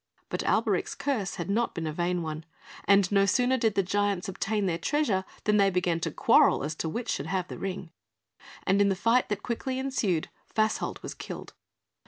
But Alberic's curse had not been a vain one, and no sooner did the giants obtain their treasure than they began to quarrel as to which should have the Ring; and in the fight that quickly ensued, Fasolt was killed.